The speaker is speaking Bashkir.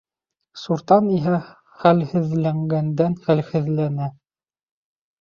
Суртан иһә хәлһеҙләнгәндән-хәлһеҙләнә.